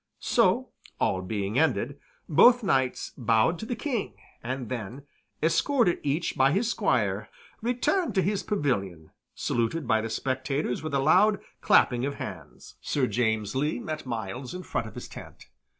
So, all being ended, both knights bowed to the King, and then, escorted each by his squire, returned to his pavilion, saluted by the spectators with a loud clapping of hands. Sir James Lee met Myles in front of his tent.